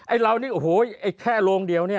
เรานี่โอ้โหไอ้แค่โรงเดียวเนี่ย